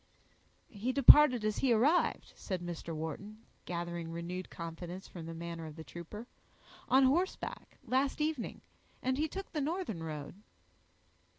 "He departed as he arrived," said Mr. Wharton, gathering renewed confidence from the manner of the trooper; "on horseback, last evening, and he took the northern road."